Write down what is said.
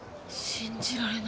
信じられない。